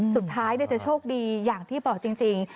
สุดท้ายเธอโชคดีอย่างที่บอกจริง